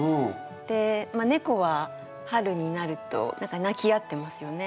で猫は春になると何か鳴き合ってますよね。